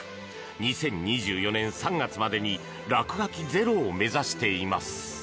２０２４年３月までに落書きゼロを目指しています。